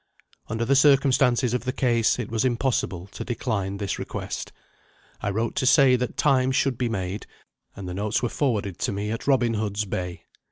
Under the circumstances of the case, it was impossible to decline this request. I wrote to say that time should be made, and the notes were forwarded to me at Robin Hood's Bay.